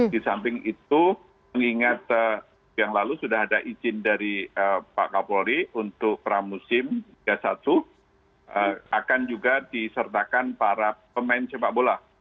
di samping itu mengingat yang lalu sudah ada izin dari pak kapolri untuk pramusim liga satu akan juga disertakan para pemain sepak bola